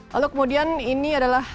lalu kemudian ini adalah